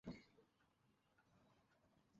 তুই আগের মতোই রয়ে গেলি, নায়না।